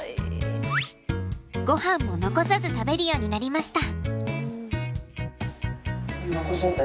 ごはんも残さず食べるようになりました。